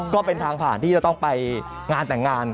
ก็เป็นทางผ่านที่จะต้องไปงานแต่งงาน